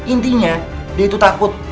intinya dia itu takut